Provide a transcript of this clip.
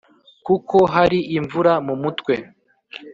kuko hari imvura mumutwe.